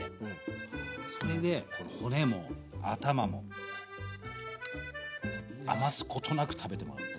それで骨も頭も余すことなく食べてもらう。